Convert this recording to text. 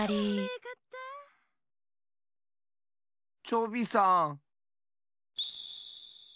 チョビさん。